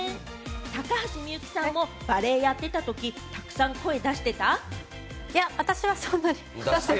高橋みゆきさんもバレエやってたときたくさん声出してた？